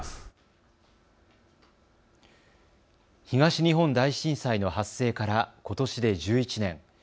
東日本大震災の発生からことしで１１年。